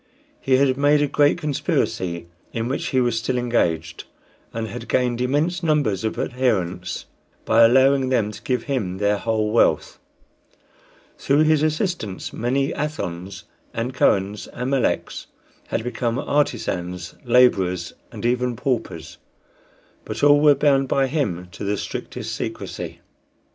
He had made a great conspiracy, in which he was still engaged, and had gained immense numbers of adherents by allowing them to give him their whole wealth. Through his assistance many Athons and Kohens and Meleks had become artisans laborers, and even paupers; but all were bound by him to the strictest secrecy.